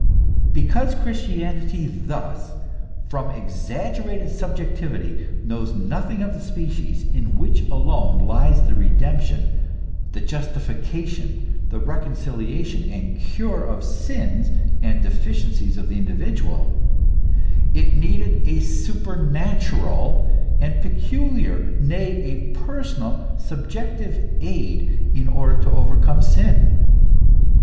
Because Christianity thus, from exaggerated subjectivity, knows nothing of the species, in which alone lies the redemp tion, the justification, the reconciliation and cure of the sins and deficiencies of the individual, it needed a supernatural and peculiar, nay a personal, subjective aid in order to overcome sin.